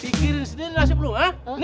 pikirin sendiri nasib lu ha